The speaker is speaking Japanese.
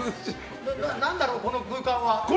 何だろう、この空間は。